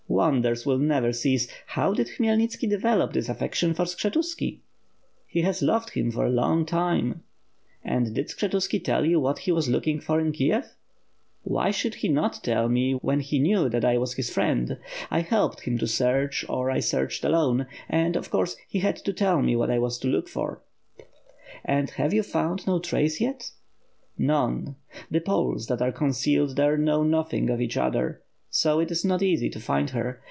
"Wonders will never cease! How did Khymelnitski de velop this affection for Skshetuski?' ' "He has loved him for a long time." "And did Skshetuski tell you what he was looking for in Kiev?" "Why should he not tell me when he knew that I was his friend. I helped him to search, or I searched alone — and of course he had to tell me what I was to look for." "And have you found no trace yet?" "None! the Poles that are concealed there know nothing of each other, so it is not easy to find her.